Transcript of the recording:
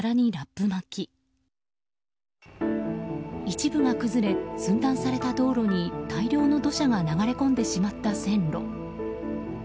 一部が崩れ、寸断された道路に大量の土砂が流れ込んでしまった線路。